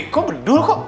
kok bedul kok